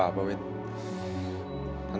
tetap dik sitting